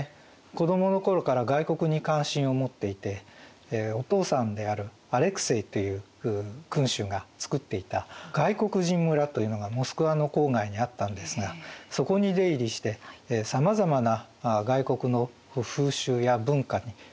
子どもの頃から外国に関心を持っていてお父さんであるアレクセイという君主がつくっていた外国人村というのがモスクワの郊外にあったんですがそこに出入りしてさまざまな外国の風習や文化に触れていたと。